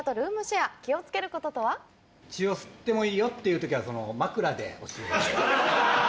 「血を吸ってもいいよ」っていう時は枕で教える。